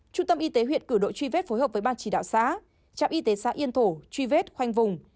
trung tâm y tế huyện cử đội truy vết phối hợp với ban chỉ đạo xã trạm y tế xã yên thổ truy vết khoanh vùng